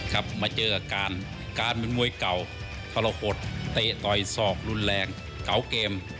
ครับมาเจอกับการการเป็นมวยเก่าทรหดเตะต่อยศอกรุนแรงเก่าเกม